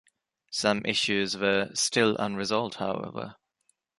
Some issues were still unresolved, however.